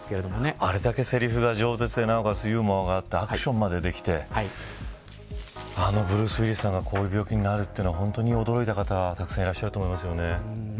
あれだけ、せりふが上手でなおかつユーモアがあってアクションまでできてあのブルース・ウィリスさんがこういう病気になるというのは本当に驚いた方がたくさんいると思います。